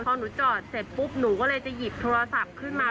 พอหนูจอดเสร็จปุ๊บหนูก็เลยจะหยิบโทรศัพท์ขึ้นมา